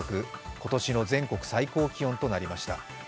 今年の全国最高気温となりました。